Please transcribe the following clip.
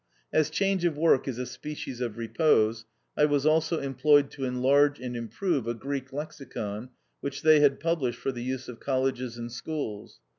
As change of work is a species of repose, I was also employed to enlarge and improve a Greek lexicon which they had published "for the use of colleges and schools."